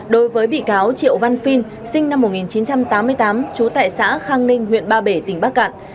đối với bị cáo triệu văn phiên sinh năm một nghìn chín trăm tám mươi tám trú tại xã khang ninh huyện ba bể tỉnh bắc cạn